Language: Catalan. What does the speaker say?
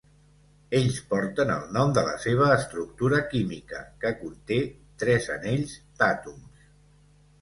Ells porten el nom de la seva estructura química, que conté tres anells d'àtoms.